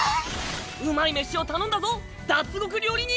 うまい飯を頼んだぞ脱獄料理人！